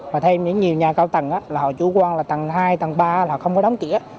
và thêm những nhiều nhà cao tầng là họ chủ quan là tầng hai tầng ba là không có đóng cửa